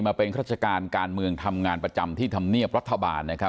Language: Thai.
มาเป็นรัฐการณ์การเมืองทำงานประจำที่ทำเนียบรัฐบาล